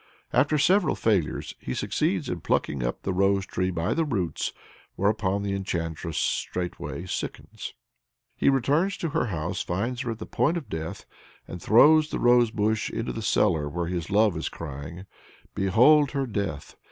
After several failures, he succeeds in plucking up the rose tree by the roots, whereupon the enchantress straightway sickens. He returns to her house, finds her at the point of death, and throws the rose bush into the cellar where his love is crying, "Behold her death!"